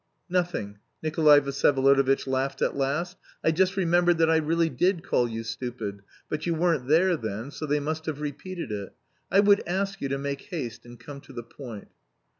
"Nothing," Nikolay Vsyevolodovitch laughed at last. "I just remembered that I really did call you stupid, but you weren't there then, so they must have repeated it.... I would ask you to make haste and come to the point."